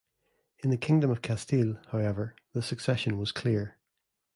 In the Kingdom of Castile, however, the succession was clear.